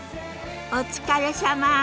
お疲れさま。